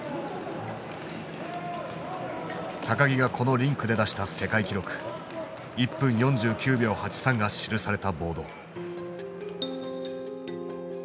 木がこのリンクで出した世界記録１分４９秒８３が記されたボード。